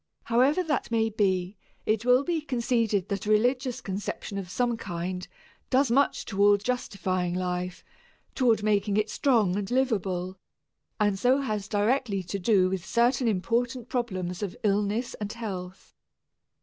However that may be, it will be conceded that a religious conception of some kind does much toward justifying life, toward making it strong and livable, and so has directly to do with certain important problems of illness and health.